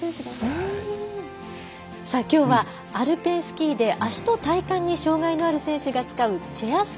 きょうはアルペンスキーで足と体幹に障がいのある選手が使うチェア